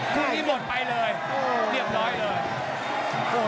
คู่นี้หมดไปเลยเรียบร้อยเลย